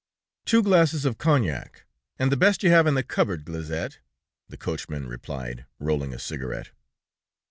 "Two glasses of cognac, and the best you have in the cupboard," Glaizette, the coachman replied, rolling a cigarette.